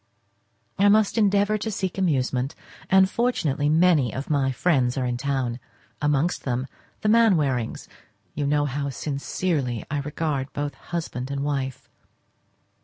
I must endeavour to seek amusement, and fortunately many of my friends are in town; amongst them the Mainwarings; you know how sincerely I regard both husband and wife.